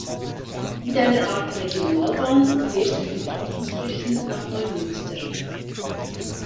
Mit einer Art Regionalbahn fährst du von Kaltenkirchen nach Neumünster.